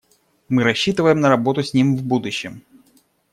Мы рассчитываем на работу с ним в будущем.